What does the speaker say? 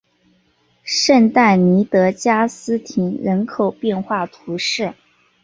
圣但尼德加斯廷人口变化图示